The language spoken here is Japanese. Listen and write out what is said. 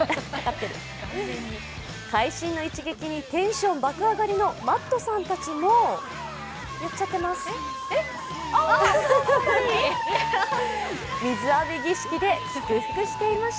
会心の一撃にテンション爆上がりのマットさんたちもやっちゃってます。